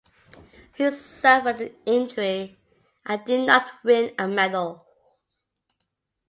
He suffered an injury and did not win a medal.